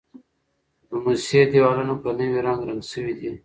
د موسسې دېوالونه په نوي رنګ رنګ شوي دي.